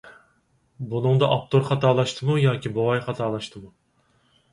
بۇنىڭدا ئاپتور خاتالاشتىمۇ ياكى بوۋاي خاتالاشتىمۇ؟